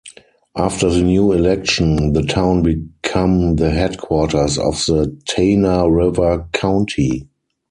After the new election, the town become the headquarters of the Tana River County.